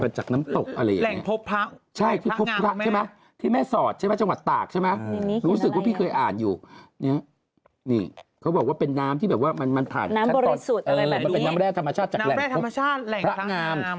เป็นน้ำแร่ธรรมชาติจากแหล่งพบพระแหล่งพระงาม